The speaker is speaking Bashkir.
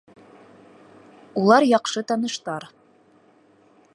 Улар яҡшы таныштар